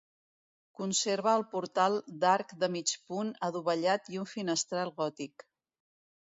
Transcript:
Conserva el portal d'arc de mig punt adovellat i un finestral gòtic.